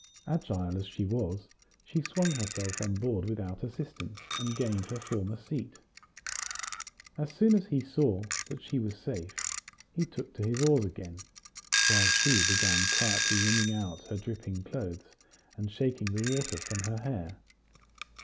Agile as she was, she swung herself on board without assistance, and gained her former seat. As soon as he saw that she was safe, he took to his oars again, while she began quietly wringing out her dripping clothes, and shaking the water from her hair.